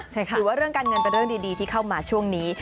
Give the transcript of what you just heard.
หรือว่าเรื่องการเงินเป็นเรื่องดีที่เข้ามาช่วงนี้